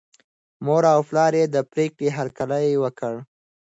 مور او پلار یې د پرېکړې هرکلی وکړ.